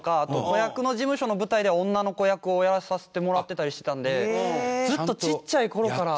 子役の事務所の舞台では女の子役をやらさせてもらってたりしてたんでずっとちっちゃい頃から。